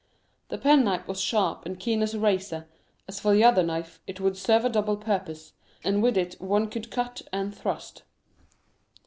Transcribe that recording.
The penknife was sharp and keen as a razor; as for the other knife, it would serve a double purpose, and with it one could cut and thrust.